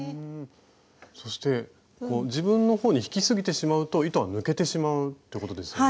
そして自分のほうに引きすぎてしまうと糸が抜けてしまうってことですよね？